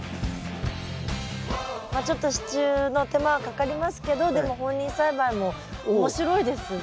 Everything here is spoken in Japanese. まあちょっと支柱の手間はかかりますけどでも放任栽培も面白いですね。